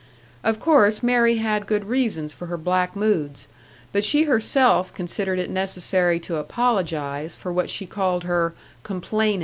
Of course Mary had good reasons for her black moods but she herself considered it necessary to apologise for what she called her "complainin'"!